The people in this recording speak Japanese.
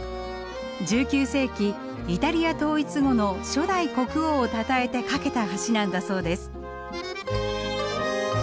１９世紀イタリア統一後の初代国王をたたえて架けた橋なんだそうです。